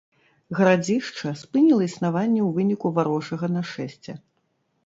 Гарадзішча спыніла існаванне ў выніку варожага нашэсця.